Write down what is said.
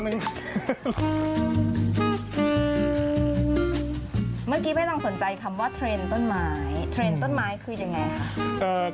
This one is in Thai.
เมื่อกี้ไม่ต้องสนใจคำว่าเทรนด์ต้นไม้เทรนด์ต้นไม้คือยังไงคะ